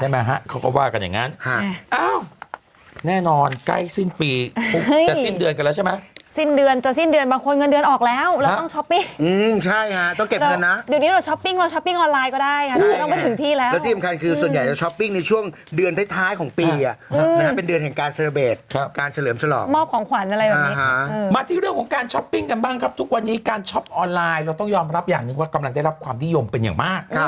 มาที่เรื่องของการช็อปปิ้งกันบ้างครับทุกวันนี้การช็อปออนไลน์เราต้องยอมรับอย่างนึงว่ากำลังได้รับความนิยมเป็นอย่างมาก